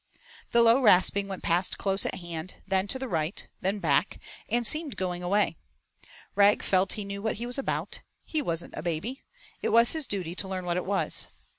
The low rasping went past close at hand, then to the right, then back, and seemed going away. Rag felt he knew what he was about; he wasn't a baby; it was his duty to learn what it was.